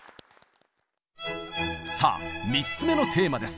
さあ３つ目のテーマです！